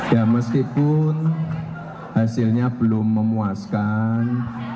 ya meskipun hasilnya belum memuaskan